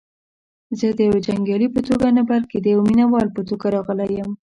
زه دیوه جنګیالي په توګه نه بلکې دیوه مینه وال په توګه راغلی یم.